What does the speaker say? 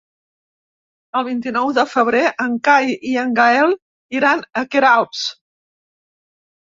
El vint-i-nou de febrer en Cai i en Gaël iran a Queralbs.